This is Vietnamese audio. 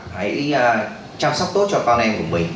hãy chăm sóc tốt cho con em của mình